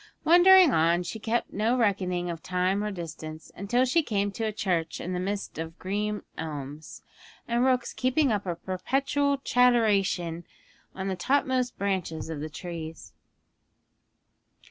Wandering on, she kept no reckoning of time or distance, until she came to a church in the midst of green elms, and rooks keeping up a perpetual chatteration on the topmost branches of the trees.